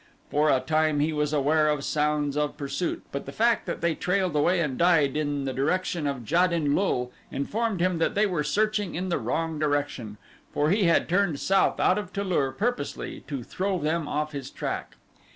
For a time he was aware of sounds of pursuit but the fact that they trailed away and died in the direction of Jad in lul informed him that they were searching in the wrong direction, for he had turned south out of Tu lur purposely to throw them off his track.